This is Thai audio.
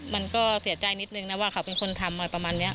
มันก็เสียใจนิดนึงนะว่าเขาเป็นคนทำอะไรประมาณนี้